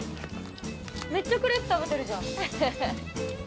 めっちゃクレープ食べてるじゃん。